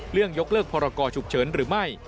ยกเลิกพรกรฉุกเฉินหรือไม่